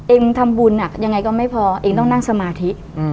ทำบุญยังไงก็ไม่พอเองต้องนั่งสมาธิ